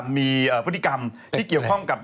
มีพฤติกรรมที่เกี่ยวข้องกับ